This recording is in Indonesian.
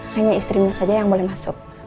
hanya istrinya saja yang boleh masuk